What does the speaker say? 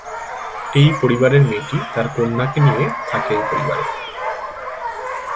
এই পরিবারের মেয়েটি তার কন্যাকে নিয়ে থাকে এই পরিবারে।